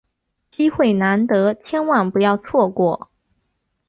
机会难得，千万不要错过！